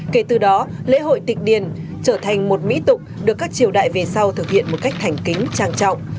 kể từ đó lễ hội tịch điền trở thành một mỹ tục được các triều đại về sau thực hiện một cách thành kính trang trọng